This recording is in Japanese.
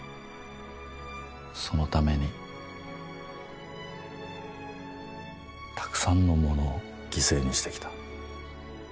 そのためにたくさんのものを犠牲にしてきた。